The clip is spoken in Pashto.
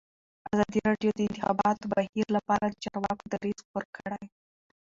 ازادي راډیو د د انتخاباتو بهیر لپاره د چارواکو دریځ خپور کړی.